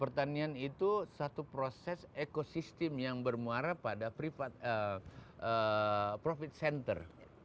pertanian itu satu proses ekosistem yang bermuara pada privat profit center